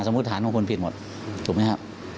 สมมุติฐานคุณผิดหมดถูกไหมครับ